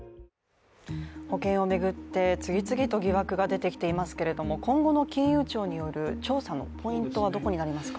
保険を巡って、次々と疑惑が出てきていますけれども、今後の金融庁による検査のポイントはどこになりますか。